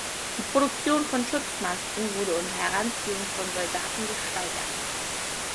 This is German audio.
Die Produktion von Schutzmasken wurde unter Heranziehung von Soldaten gesteigert.